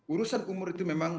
urusan umur itu memang